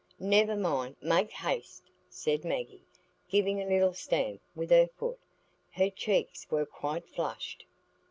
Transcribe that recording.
"Never mind, make haste!" said Maggie, giving a little stamp with her foot. Her cheeks were quite flushed.